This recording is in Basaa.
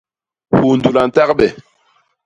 Hundul a ntagbe.